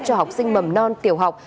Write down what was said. cho học sinh mầm non tiểu học